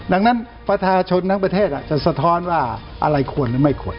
ดังนั้นประชาชนทั้งประเทศอาจจะสะท้อนว่าอะไรควรหรือไม่ควร